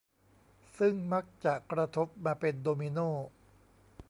ซึ่งมักจะกระทบมาเป็นโดมิโน่